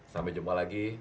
sampai jumpa lagi